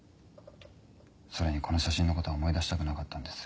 それにこの写真の事は思い出したくなかったんです。